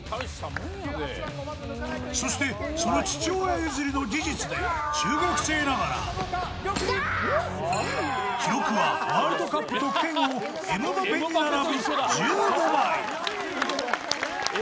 そしてその父親譲りの技術で中学生ながら記録はワールドカップ得点王、エムバペに並ぶ１５枚。